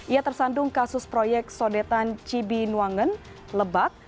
ia tersandung kasus proyek sodetan cibi nuanggen lebak